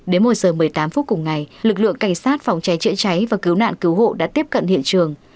đến một giờ một mươi tám phút cùng ngày lực lượng cảnh sát phòng cháy chữa cháy và cứu nạn cứu hộ đã tiếp cận hiện trường